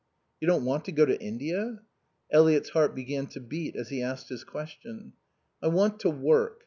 "You don't want to go to India?" Eliot's heart began to beat as he asked his question. "I want to work.